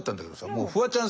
もうフワちゃん